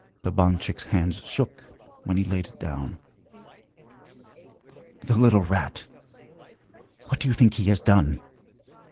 Babanchik's hands shook when he laid it down. 'The little rat! What do you think he has done?